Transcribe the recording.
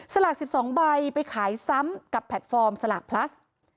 ลาก๑๒ใบไปขายซ้ำกับแพลตฟอร์มสลากพลัส